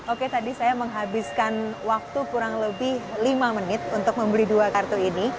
oke tadi saya menghabiskan waktu kurang lebih lima menit untuk membeli dua kartu ini